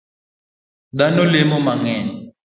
Dhano lemo mang'eny